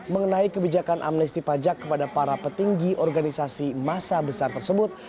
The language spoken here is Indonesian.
mengenai kebijakan amnesti pajak kepada para petinggi organisasi masa besar tersebut